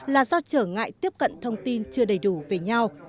là do trở ngại tiếp cận thông tin chưa đầy đủ về nhau